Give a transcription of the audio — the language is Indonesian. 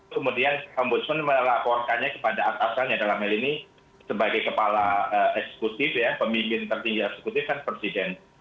kemudian ombudsman melaporkannya kepada atasannya dalam hal ini sebagai kepala eksekutif ya pemimpin tertinggi eksekutif kan presiden